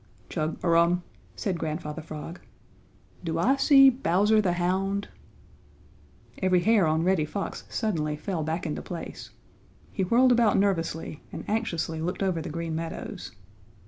"Chug a rum," said Grandfather Frog. "Do I see Bowser the Hound?" Every hair on Reddy Fox suddenly fell back into place. He whirled about nervously and anxiously looked over the Green Meadows.